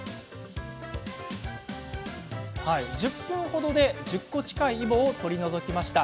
１０分ほどで１０個近いイボを取り除きました。